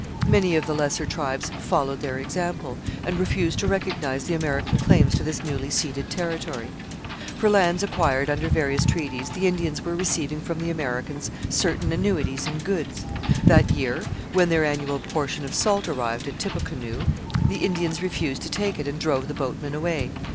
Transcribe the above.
Many of the lesser tribes followed their example, and refused to recognize the American claims to this newly ceded territory. For lands acquired under various treaties, the Indians were receiving from the Americans certain annuities in goods. That year, when their annual portion of salt arrived at Tippecanoe, the Indians refused to take it and drove the boatmen away.